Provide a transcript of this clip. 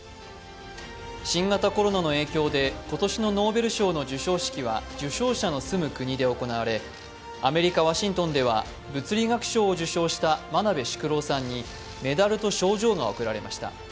新型コロナの影響で今年のノーベル賞の授賞式は受賞者の住む国で行われアメリカ・ワシントンでは物理学賞を受賞した眞鍋淑郎さんにメダルと賞状が贈られました。